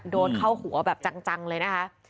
โดนเข้าหัวแบบจังเลยนะคะ